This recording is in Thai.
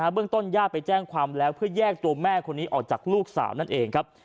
เรื่องต้นญาติไปแจ้งความแล้วเพื่อแยกตัวแม่คนนี้ออกจากลูกสาวนั่นเองครับ